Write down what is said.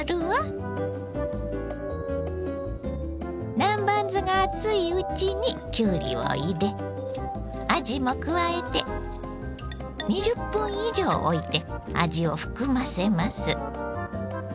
南蛮酢が熱いうちにきゅうりを入れあじも加えて２０分以上おいて味を含ませます。